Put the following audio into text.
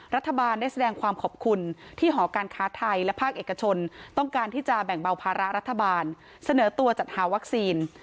รัฐบาลได้แสดงความขอบคุณที่หอการค้าไทยและภาคเอกชนต้องการที่จะแบ่งเบาภาระรัฐบาลเสนอตัวจัดหาวัคซีน